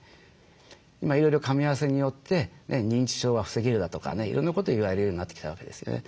今いろいろかみ合わせによって認知症は防げるだとかねいろんなこと言われるようになってきたわけですね。